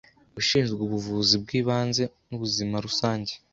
ushinzwe ubuvuzi bw’ibanze n’ubuzima rusange